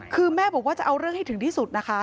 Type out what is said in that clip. คือแม่บอกว่าจะเอาเรื่องให้ถึงที่สุดนะคะ